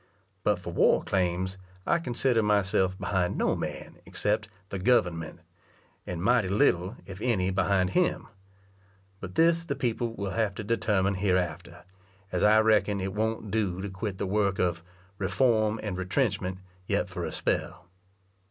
But for war claims, I consider myself behind no man except "the government," and mighty little, if any, behind him; but this the people will have to determine hereafter, as I reckon it won't do to quit the work of "reform and retrenchment" yet for a spell.